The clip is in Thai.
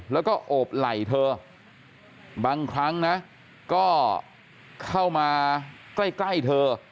แล้วก็โอบไหล่เธอบางครั้งนะก็เข้ามาใกล้เธอ